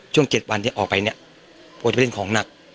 ช่วง๗วันที่ออกไปเนี่ยพอจะไปเล่นของหนัก